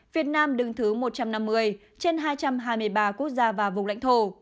việt nam đứng thứ một trăm năm mươi trên hai trăm hai mươi ba quốc gia và vùng lãnh thổ